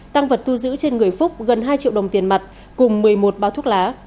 tăng vật thu giữ trên người phúc gần hai triệu đồng tiền mặt cùng một mươi một bao thuốc lá